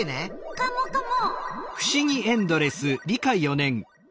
カモカモ。